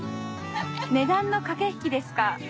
値段の駆け引きですか？